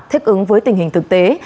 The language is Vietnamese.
thích ứng với tình hình thực tế